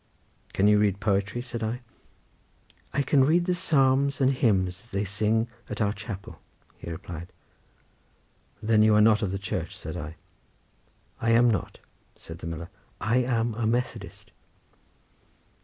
"Can you read poetry?" said I. "I can read the psalms and hymns, that they sing at our chapel," he replied. "Then you are not of the Church?" said I. "I am not," said the miller; "I am a Methodist."